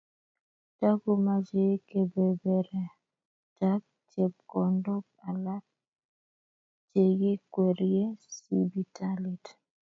Takomochei kebeberatak chepkondook alak chekikwerie sipitalit.